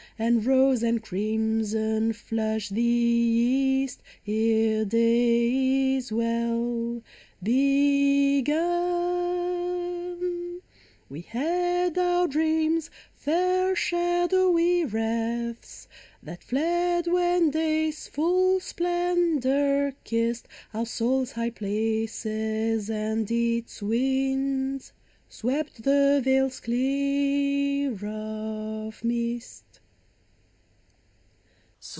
And rose and crimson flush the east Ere day is well begun. We had our dreams — fair, shadowy wraiths That fled when Day's full splendor kissed Our souls' high places, and its winds Swept the vales clear of mist